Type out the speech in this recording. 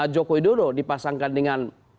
joko widodo dipasangkan dengan